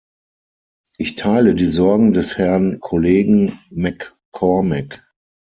Ich teile die Sorgen des Herrn Kollegen MacCormick.